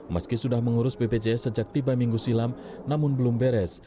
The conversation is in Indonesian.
meski sudah mengurus bpjs sejak tiba minggu silam namun belum beres